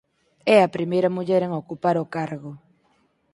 É a primeira muller en ocupar o cargo.